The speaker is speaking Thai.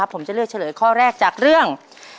ผมจะเลือกเฉลยข้อแรกจากเรื่อง